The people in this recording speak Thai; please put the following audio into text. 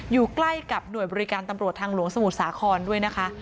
อยู่ใกล้กับหน่วยบริการตำรวจทางหลวงสมุทรสาครด้วยนะคะ